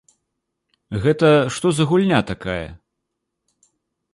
Гэта што за гульня такая?